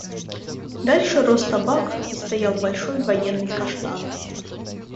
Дальше рос табак и стоял большой военный каштан.